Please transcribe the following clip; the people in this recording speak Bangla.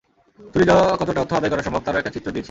চুরি যাওয়া কতটা অর্থ আদায় করা সম্ভব, তারও একটা চিত্র দিয়েছি।